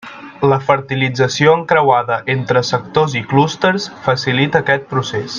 La fertilització encreuada entre sectors i clústers facilita aquest procés.